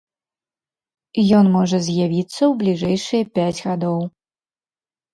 Ён можа з'явіцца ў бліжэйшыя пяць гадоў.